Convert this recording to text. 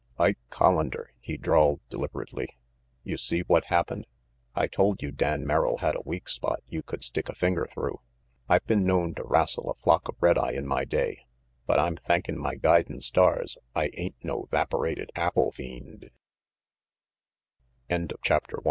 "Ike Collander," he drawled deliberately, "you see what happened? I told you Dan Merrill had a weak spot you could stick a finger through. I been known to wrassel a flock of red eye in my day, but I'm thankin' my guidin' stars I ain't no 'vaporated apple fiend." CHAPTER